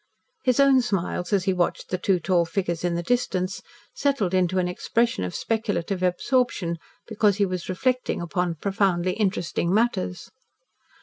His own smiles, as he watched the two tall figures in the distance, settled into an expression of speculative absorption, because he was reflecting upon profoundly interesting matters.